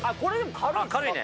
軽いね。